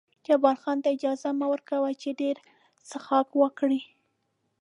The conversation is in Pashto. جبار خان ته اجازه مه ور کوه چې ډېر څښاک وکړي.